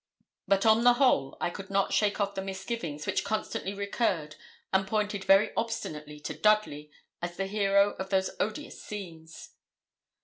But, on the whole, I could not shake off the misgivings which constantly recurred and pointed very obstinately to Dudley as the hero of those odious scenes.